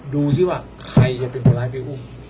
ดูสิว่าใครจะเป็นหัวแล้วเอ้า